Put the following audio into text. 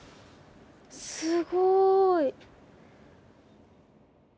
すごい。